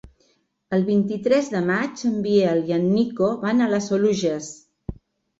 El vint-i-tres de maig en Biel i en Nico van a les Oluges.